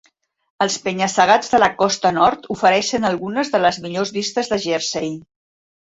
Els penya-segats de la costa nord ofereixen algunes de les millors vistes de Jersey.